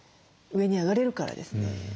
上に上がれるからですね。